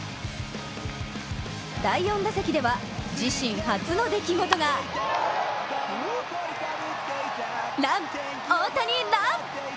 第４打席では、自身初の出来事がラン、大谷、ラン！